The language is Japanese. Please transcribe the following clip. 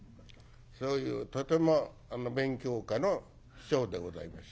そういうとても勉強家の師匠でございました。